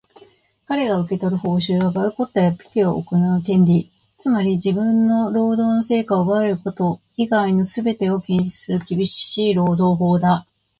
かれが受け取る報酬は、ボイコットやピケを行う権利、つまり自分の労働の成果を奪われること以外のすべてを禁止する厳しい労働法だ。